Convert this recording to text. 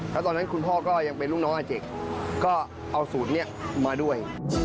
แล้วตอนนั้นคุณพ่อก็ยังเป็นลูกน้องอาเจกก็เอาสูตรนี้มาด้วย